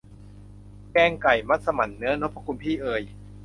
แกงไก่มัสหมั่นเนื้อ นพคุณ พี่เอย